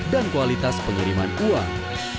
dan kualitas pengiriman uang